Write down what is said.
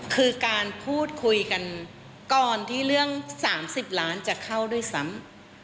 คือการพูดคุยกันก่อนที่เรื่อง๓๐ล้านจะเข้าด้วยซ้ำ